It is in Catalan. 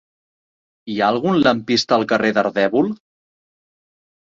Hi ha algun lampista al carrer d'Ardèvol?